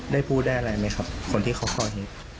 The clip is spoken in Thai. ได้พูดได้อะไรมั้ยครับคนที่เขาก็ยิง